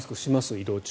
移動中。